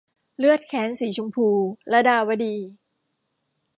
เลือดแค้นสีชมพู - ลดาวดี